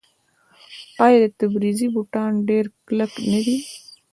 آیا د تبریز بوټان ډیر کلک نه دي؟